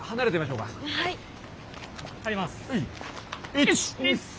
１２３。